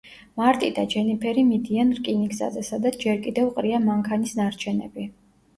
მარტი და ჯენიფერი მიდიან რკინიგზაზე, სადაც ჯერ კიდევ ყრია მანქანის ნარჩენები.